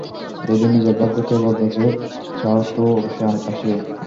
যদি নিজের ভাগ্য কে বদলাতে চাও, তো অবশ্যই আসিও।